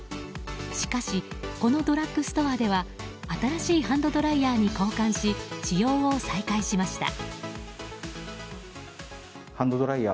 しかし、このドラッグストアでは新しいハンドドライヤーに交換し使用を再開しました。